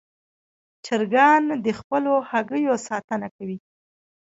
چرګان د خپلو هګیو ساتنه کوي.